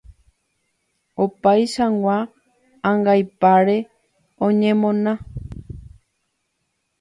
Opaichagua ãngaipáre oñemona.